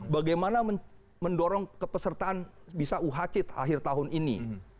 bagaimana mendorong kepesertaan bisa uhc akhir tahun ini